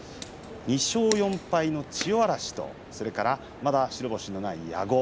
２勝４敗の千代嵐とそれからまだ白星のない矢後。